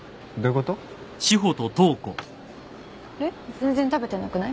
全然食べてなくない？